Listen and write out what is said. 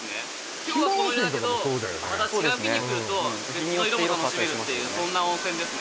今日はこの色だけどまた違う日に来ると別の色も楽しめるっていうそんな温泉ですね